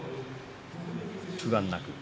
不安なく。